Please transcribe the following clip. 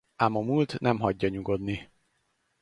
Ám a múlt nem hagyja nyugodni.